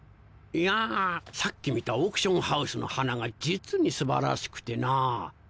いやぁさっき見たオークションハウスの花が実に素晴らしくてなぁ。